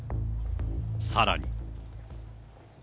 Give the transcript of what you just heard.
さらに。